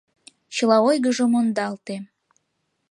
Чыла ойгыжо мондалте.